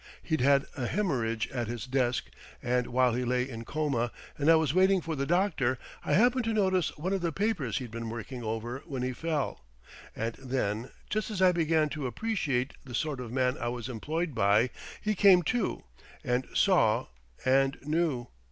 He'd had a haemorrhage at his desk; and while he lay in coma, and I was waiting for the doctor, I happened to notice one of the papers he'd been working over when he fell. And then, just as I began to appreciate the sort of man I was employed by, he came to, and saw and knew.